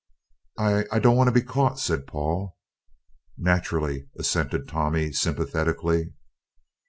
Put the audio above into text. "I I don't want to be caught," said Paul. "Naterally," assented Tommy sympathetically.